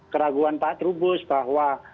keraguan pak trubus bahwa